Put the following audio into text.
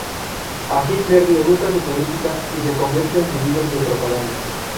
A Hitler le gusta su política y se convierte en su líder de propaganda.